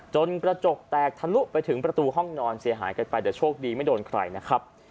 กระจกแตกทะลุไปถึงประตูห้องนอนเสียหายกันไปแต่โชคดีไม่โดนใครนะครับ